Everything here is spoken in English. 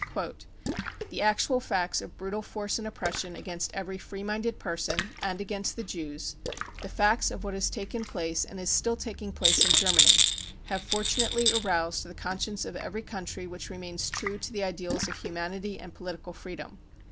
" The actual facts of brutal force and oppression against every free minded person and against the Jews, the facts of what has taken place and is still taking place in Germany, have fortunately aroused the conscience of every country which remains true to the ideals of humanity and political freedom.